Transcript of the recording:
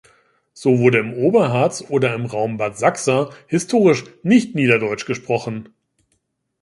So wurde im Oberharz oder im Raum Bad Sachsa historisch nicht Niederdeutsch gesprochen.